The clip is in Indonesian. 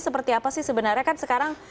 seperti apa sih sebenarnya kan sekarang